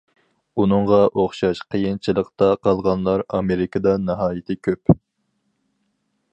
ئۇنىڭغا ئوخشاش قىيىنچىلىقتا قالغانلار ئامېرىكىدا ناھايىتى كۆپ.